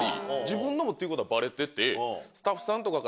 自分のもっていうことはバレてて。